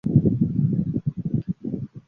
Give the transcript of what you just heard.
一项有关高分辨率单倍型。